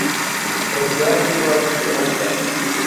ڕزگار پێی وابوو کە بۆمبە.